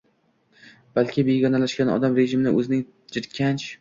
balki begonalashgan odam rejimni o‘zining jirkanch